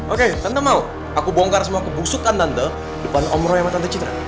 oke tante mau aku bongkar semua kebusukan tante depan om roya sama tante citra